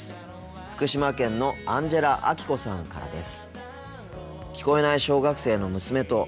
福島県のアンジェラアキコさんからです。